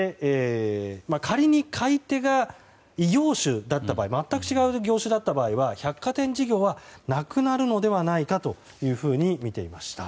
仮に買い手が全く違う異業種だった場合は百貨店事業はなくなるのではないかとみていました。